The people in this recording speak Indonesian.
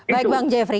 baik bang jeffrey